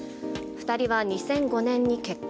２人は２００５年に結婚。